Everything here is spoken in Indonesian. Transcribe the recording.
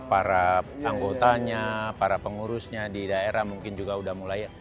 para anggotanya para pengurusnya di daerah mungkin juga sudah mulai